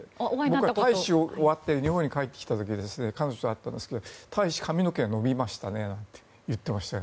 大使が終わって日本に帰ってきた時彼女と会ったんですけど大使、髪の毛伸びましたねなんて言っていましたね。